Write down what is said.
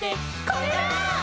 「これだー！」